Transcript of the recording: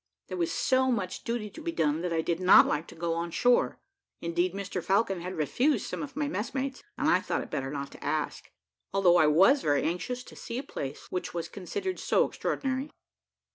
There was so much duty to be done, that I did not like to go on shore. Indeed, Mr Falcon had refused some of my messmates, and I thought it better not to ask, although I was very anxious to see a place which was considered so extraordinary.